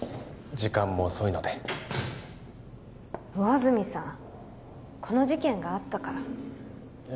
時間も遅いので魚住さんこの事件があったからいや